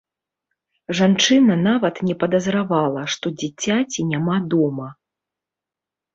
Жанчына нават не падазравала, што дзіцяці няма дома.